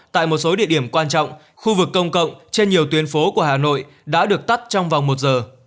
tại một số địa điểm quan trọng khu vực công cộng trên nhiều tuyến phố của hà nội đã được tắt trong vòng một giờ